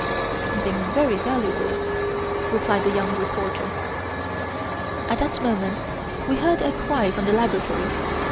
"Something very valuable," replied the young reporter. At that moment we heard a cry from the laboratory.